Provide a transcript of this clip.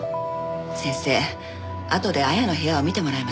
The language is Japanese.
先生あとで亜矢の部屋を見てもらえますか？